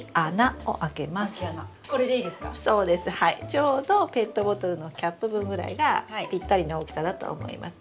ちょうどペットボトルのキャップ分ぐらいがぴったりの大きさだと思います。